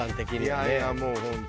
いやいやもう本当。